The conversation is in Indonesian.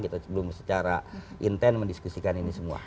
kita belum secara intens mendiskusikan ini semua